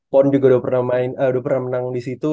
pon juga pernah menang di situ